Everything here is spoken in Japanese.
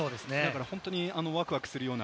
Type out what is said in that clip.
本当にワクワクするような